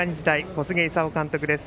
小菅勲監督です。